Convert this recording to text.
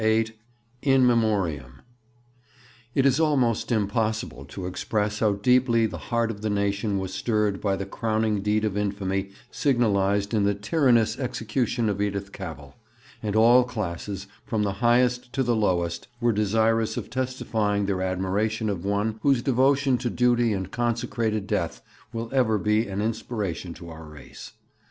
VIII IN MEMORIAM It is almost impossible to express how deeply the heart of the nation was stirred by the crowning deed of infamy signalized in the tyrannous execution of Edith Cavell; and all classes, from the highest to the lowest, were desirous of testifying their admiration of one whose devotion to duty and consecrated death will ever be an inspiration to our race.